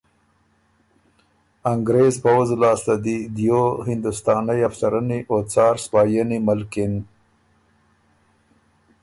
انګرېز پؤځ لاسته دی دیو هندوستانئ افسرنی او څار سپاهينی ملکِن۔